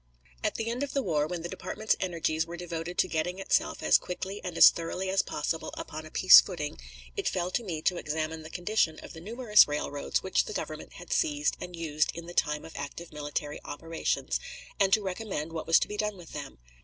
At the end of the war, when the department's energies were devoted to getting itself as quickly and as thoroughly as possible upon a peace footing, it fell to me to examine the condition of the numerous railroads which the Government had seized and used in the time of active military operations, and to recommend what was to be done with them.